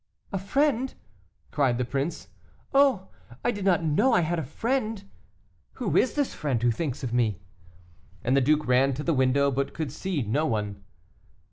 "A friend!" cried the prince; "oh! I did not know I had a friend. Who is this friend who thinks of me?" And the duke ran to the window, but could see no one.